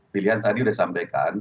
pilihan tadi udah disampaikan